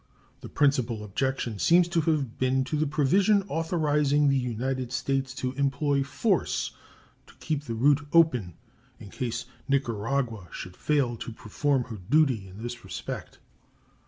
The principal objection seems to have been to the provision authorizing the United States to employ force to keep the route open in case Nicaragua should fail to perform her duty in this respect.